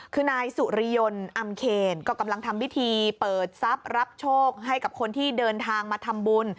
คือนายสุริยนต์อำเคนก็กำลังทำพิธีเปิดทรัพย์รับโชคให้กับคนที่เดินทางมาทำบุญ